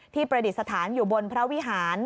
ประดิษฐานอยู่บนพระวิหาร